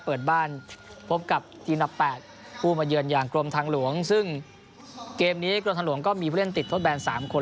เปิดบ้านพบกับทีมดับ๘ผู้มาเยือนอย่างกรมทางหลวงซึ่งเกมนี้กรมทางหลวงก็มีผู้เล่นติดทดแบน๓คน